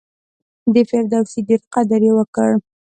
د فردوسي ډېر قدر یې وکړ.